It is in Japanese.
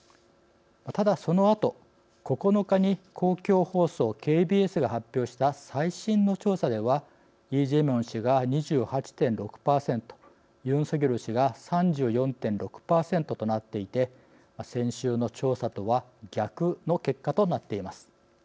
ただ、そのあと９日に公共放送ＫＢＳが発表した最新の調査ではイ・ジェミョン氏が２８．６％ユン・ソギョル氏が３４．６％となっていて先週の調査とは逆の結果となっています。